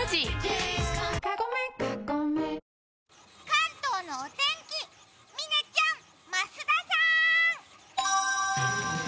関東のお天気、嶺ちゃん、増田さん。